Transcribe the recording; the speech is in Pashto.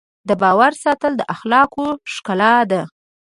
د باور ساتل د اخلاقو ښکلا ده.